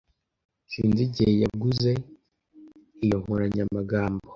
Sinzi igihe yaguze iyo nkoranyamagambo.